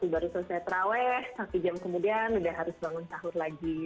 baru selesai terawih satu jam kemudian udah harus bangun sahur lagi